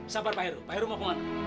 sabar pak heru pak heru mau ke mana